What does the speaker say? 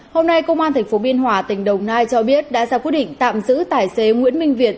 hôm nay công an tp biên hòa tỉnh đồng nai cho biết đã ra quyết định tạm giữ tài xế nguyễn minh việt